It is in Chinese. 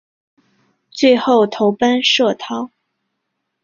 最后投奔杜弢。